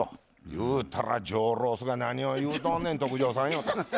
言うたら上ロースが「何を言うとんねん特上さんよ」と。